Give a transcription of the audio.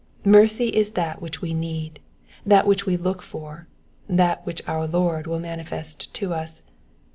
Mercy is that which we need, that which we look for, that which our Lord will manifest to us.